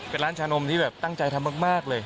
เป็นร้านชานมที่แบบตั้งใจทำมากเลย